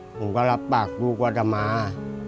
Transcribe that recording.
ผมก็รับปากลูกวัฒมา